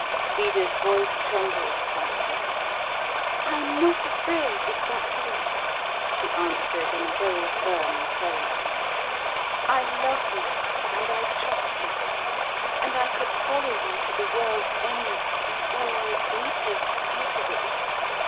Frida's voice trembled slightly. "I'm not afraid, if that's all," she answered in a very firm tone. "I love you, and I trust you, and I could follow you to the world's end or, if needful, out of it.